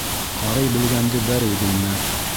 Ҡарый белгәнде бәрей белмәҫ.